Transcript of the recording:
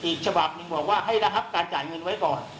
อีกฉบับหนึ่งบอกว่าให้ระงับการจ่ายเงินไว้ก่อน